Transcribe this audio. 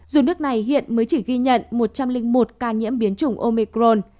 dù nước này hiện mới chỉ ghi nhận một trăm linh một ca nhiễm biến chủng omicron